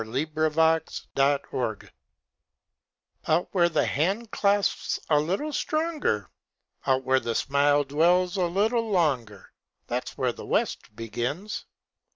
_ Where the West Begins Out where the handclasp's a little stronger, Out where a smile dwells a little longer, That's where the West begins.